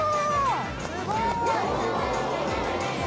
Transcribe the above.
すごい！